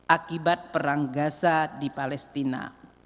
akibat perang gaza di palestina